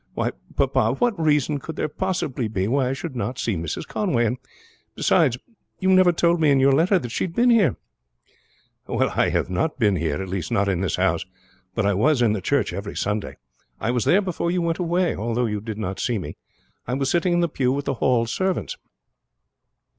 Why, papa, what reason could there possibly be why I should not see Mrs. Conway? And beside, you never told me in your letter that she had been here." "I have not been here at least not in this house; but I was in the church every Sunday. I was there before you went away, although you did not see me. I was sitting in the pew with the Hall servants."